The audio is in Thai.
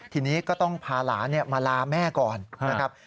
ทีนี้ก็ต้องพาหลานมาลาแม่ก่อนนะครับ